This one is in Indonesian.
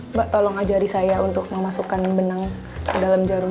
mbak tolong ajari saya untuk memasukkan benang ke dalam jarum